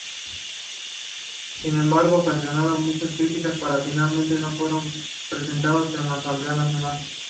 Sin embargo, ocasionaron muchas críticas, que finalmente no fueron presentados a la Asamblea Nacional.